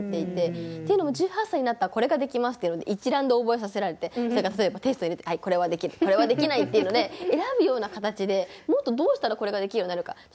っていうのも１８歳になったらこれができますっていうので一覧で覚えさせられてそれが例えばテストに出てこれはできるこれはできないっていうので選ぶような形でもっとどうしたらこれができるようになるか。